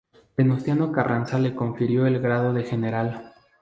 Venustiano Carranza le confirió el grado de general.